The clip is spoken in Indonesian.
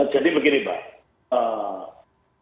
jadi begini pak